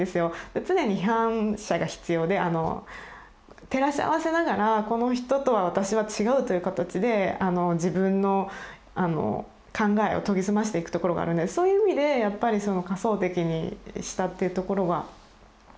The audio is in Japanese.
常に批判者が必要であの照らし合わせながらこの人とは私は違うという形で自分の考えを研ぎ澄ましていくところがあるんでそういう意味でやっぱりその仮想敵にしたってところはありますね。